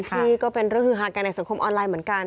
ที่ก็เป็นเรื่องฮือฮากันในสังคมออนไลน์เหมือนกัน